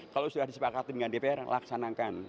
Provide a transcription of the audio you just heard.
kalau sudah disepakati dengan dpr laksanakan